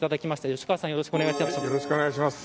吉川さんよろしくお願いします。